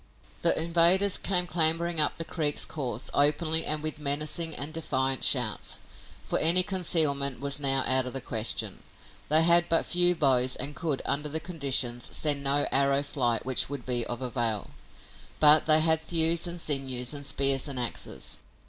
The invaders came clambering up the creek's course, openly and with menacing and defiant shouts, for any concealment was now out of the question. They had but few bows and could, under the conditions, send no arrow flight which would be of avail, but they had thews and sinews and spears and axes.